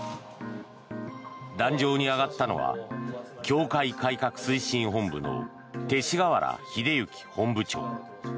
壇上に上がったのは教会改革推進本部の勅使河原秀行本部長。